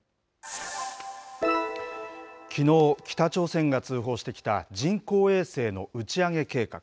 きのう、北朝鮮が通報してきた人工衛星の打ち上げ計画。